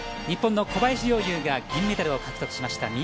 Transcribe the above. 日本の小林陵侑が銀メダルを獲得しました